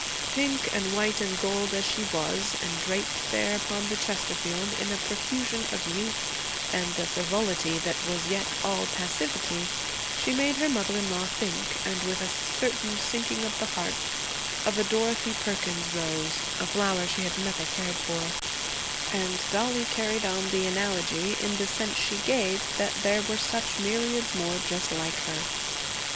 Pink and white and gold as she was, and draped there on the chesterfield in a profusion of youth and a frivolity that was yet all passivity, she made her mother in law think, and with a certain sinking of the heart, of a Dorothy Perkins rose, a flower she had never cared for; and Dollie carried on the analogy in the sense she gave that there were such myriads more just like her.